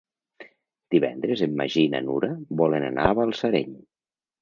Divendres en Magí i na Nura volen anar a Balsareny.